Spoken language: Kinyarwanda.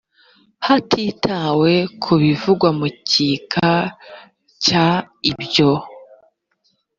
hatitawe ku bivugwa mu gika cya ibyo